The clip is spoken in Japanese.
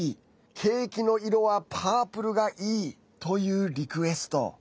ケーキの色はパープルがいいというリクエスト。